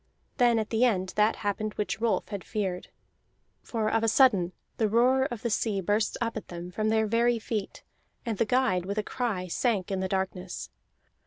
Then at the end that happened which Rolf had feared. For of a sudden the roar of the sea burst up at them from their very feet, and the guide, with a cry, sank in the darkness.